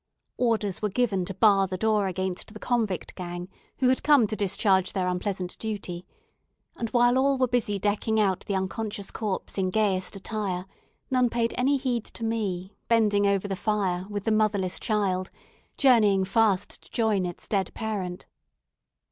Orders were given to bar the door against the convict gang who had come to discharge their unpleasant duty, and while all were busy decking out the unconscious corpse in gayest attire, none paid any heed to me bending over the fire with the motherless child, journeying fast to join its dead parent.